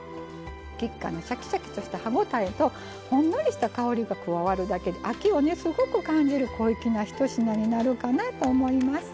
菊花のシャキシャキとした歯応えとほんのりした香りが加わるだけで秋をねすごく感じる小粋なひと品になるかなと思います。